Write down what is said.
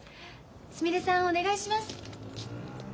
すみれさんお願いします。